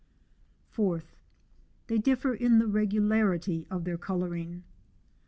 (4) They differ in the reffidariiy of their colouring.